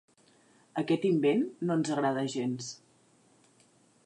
Aquest invent no ens agrada gens.